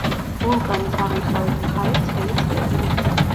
ვულკანის აღმოსავლეთ მხარეს ცხელი წყლებია.